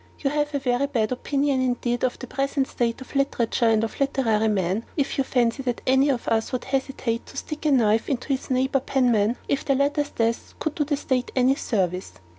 You have a very bad opinion indeed of the present state of literature and of literary men, if you fancy that any one of us would hesitate to stick a knife into his neighbour penman, if the latter's death could do the State any service.